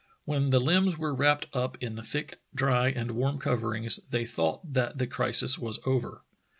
When the limbs were wrapped up in thick, dry, and warm coverings they thought that the crisis was over.